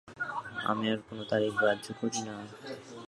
আমি আর কোন তারিখ গ্রাহ্য করি না।